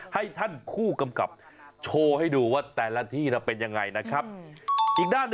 ให้ท่านคู่กำกับโชว์ให้ดูว่าแต่ละที่จะเป็นอย่างไรนะครับ